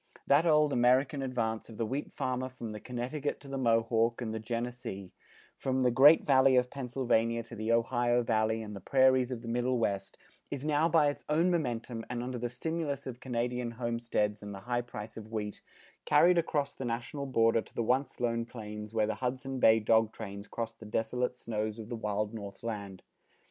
That old American advance of the wheat farmer from the Connecticut to the Mohawk, and the Genesee, from the Great Valley of Pennsylvania to the Ohio Valley and the prairies of the Middle West, is now by its own momentum and under the stimulus of Canadian homesteads and the high price of wheat, carried across the national border to the once lone plains where the Hudson Bay dog trains crossed the desolate snows of the wild North Land.